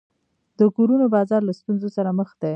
د کورونو بازار له ستونزو سره مخ دی.